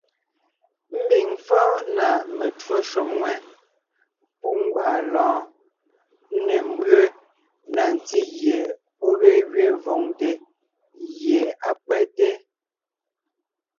Ḿbiŋ fɔ́ɔn na metwó shúm ŋwɛ́, pú ńgwaa lɔ́ɔn, ńne ḿbʉe na ntí gie ɔ̀ ge gẅiin vòŋte gie á pÿɛ́te.